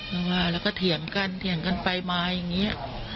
แล้วก็เถียงกันเถียงกันไปมาอย่างนี้